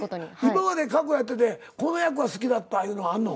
今まで過去やっててこの役は好きだったいうのはあんの？